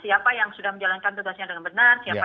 siapa yang belum menjalankan tugasnya dengan benar evaluasinya apa